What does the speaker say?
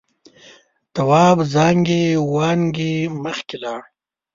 تواب زانگې وانگې مخکې لاړ.